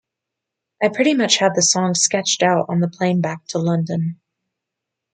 I pretty much had the song sketched out on the plane back to London.